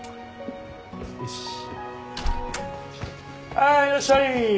はーいいらっしゃい！